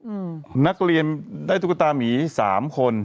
อืมนักเรียนได้ตุ๊กตามีสามคน